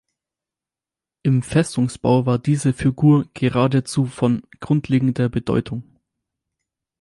Im Festungsbau war diese Figur geradezu von grundlegender Bedeutung.